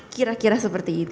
kira kira seperti itu